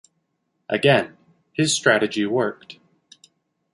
Again, his strategy worked.